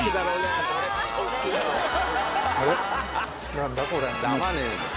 何だこれ。